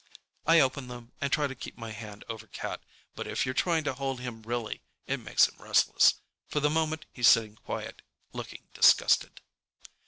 I open them and try to keep my hand over Cat, but if you try to hold him really, it makes him restless. For the moment he's sitting quiet, looking disgusted.